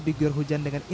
digior hujan dengan inti